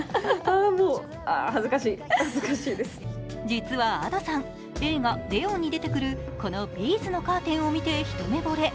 実はＡｄｏさん、映画「ＬＥＯＮ」に出てくるこのビーズのカーテンを見て一目惚れ。